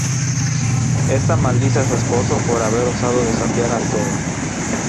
Ésta maldice a su esposo por haber osado desafiar al toro.